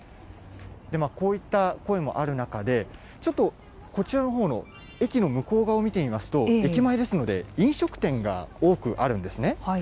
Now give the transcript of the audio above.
こういった声もある中で、ちょっと、こちらのほうの駅の向こう側を見てみますと、駅前ですので飲食店が多くあるんですね。